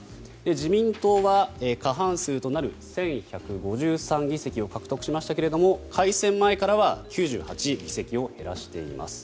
自民党は過半数となる１１５３議席を獲得しましたが改選前からは９８議席を減らしています。